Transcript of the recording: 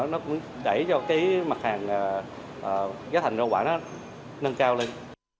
nó cũng đẩy cho cái mặt hàng giá thành rau quả nó nâng cao lên